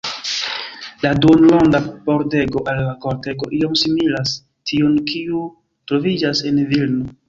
La duonronda pordego al la kortego iom similas tiun, kiu troviĝas en Vilno.